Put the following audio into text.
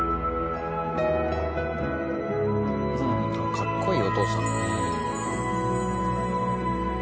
かっこいいお父さん。